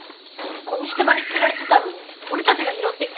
ゴミ捨て場に捨てられてたの俺たちが拾ってきたんだ。